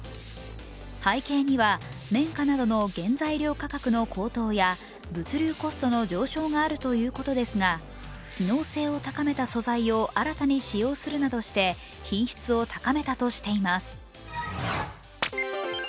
背景には綿花などの原材料価格の高騰や物流コストの上昇があるとのことですが、機能性を高めた素材を新たに使用するなどして品質を高めたとしています。